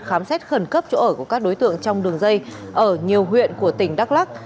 khám xét khẩn cấp chỗ ở của các đối tượng trong đường dây ở nhiều huyện của tỉnh đắk lắc